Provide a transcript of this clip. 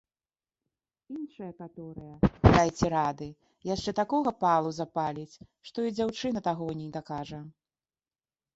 Іншая каторая, дайце рады, яшчэ такога палу запаліць, што і дзяўчына таго не дакажа!